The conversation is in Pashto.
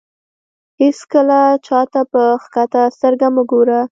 هېڅکله چاته په کښته سترګه مه ګوره.